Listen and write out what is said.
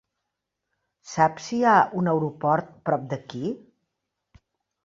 Saps si hi ha un aeroport prop d'aquí?